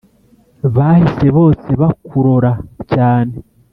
Bahise bose bakurora cyane